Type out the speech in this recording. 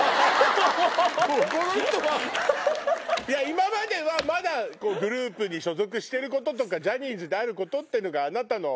今まではまだグループに所属してることとかジャニーズであることってのがあなたの。